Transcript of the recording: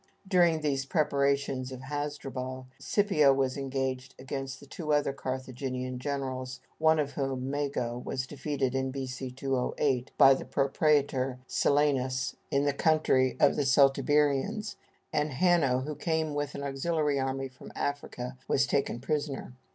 During these preparations of Hasdrubal, Scipio was engaged against the two other Carthaginian generals, one of whom (Mago) was defeated, in B.C. 208, by the proprætor Silanus, in the country of the Celtiberians, and Hanno, who came with an auxiliary army from Africa, was taken prisoner.